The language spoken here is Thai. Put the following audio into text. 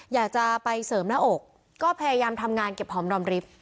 อยากจะไปเสริมหน้าอกก็พยายามทำงานเก็บหอมรอมริฟท์